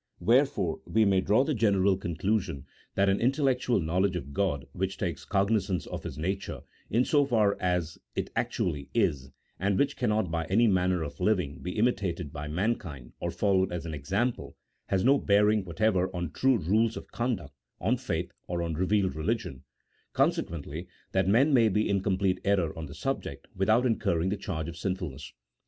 Wherefore we may draw the general conclusion that an intellectual knowledge of God, which takes cognizance of His nature in so far as it actually is, and which cannot by any manner of living be imitated by mankind or followed as an example, has no bearing whatever on true rules of conduct, on faith, or on revealed religion ; consequently that men may be in com plete error on the subject without incurring the charge of sinfulness.